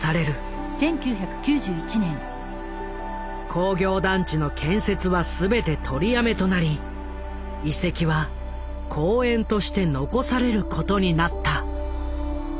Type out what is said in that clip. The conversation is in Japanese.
工業団地の建設は全て取りやめとなり遺跡は公園として残されることになった。